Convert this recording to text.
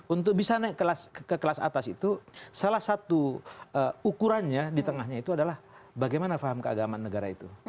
untuk bisa naik ke kelas atas itu salah satu ukurannya di tengahnya itu adalah bagaimana faham keagamaan negara itu